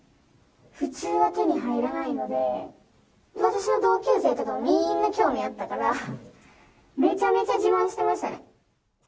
普通は手に入らないので、私の同級生とかもみんな興味あったから、めちゃめちゃ自慢してましたね。